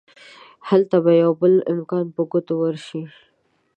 هلته به يو بل امکان په ګوتو ورشي.